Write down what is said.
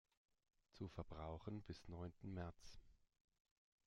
Zu Verbrauchen bis neunten März.